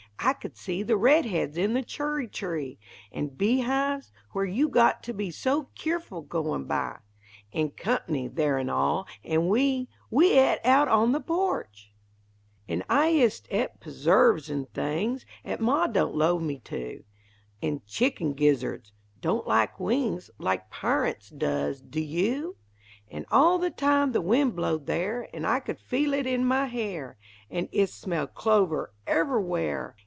I could see The red heads in the churry tree; An' bee hives, where you got to be So keerful, goin' by; An' "Comp'ny" there an' all! an' we We et out on the porch! An' I ist et p'surves an' things 'At Ma don't 'low me to An' chickun gizzurds (don't like wings Like Parunts does! do you?) An' all the time, the wind blowed there, An' I could feel it in my hair, An' ist smell clover _ever'_where!